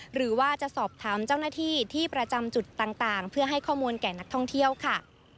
หรือว่าจะสอบถามเจ้าหน้าที่ที่ประจำจุดต่างเพื่อให้ข้อมูลแก่นักท่องเที่ยวค่ะ